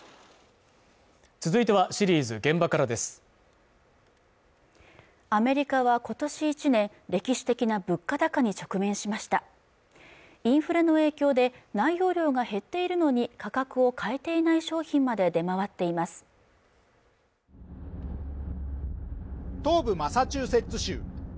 続いてはシリーズ「現場から」ですアメリカはことし１年歴史的な物価高に直面しましたインフレの影響で内容量が減っているのに価格を変えていない商品まで出回っています東部マサチューセッツ州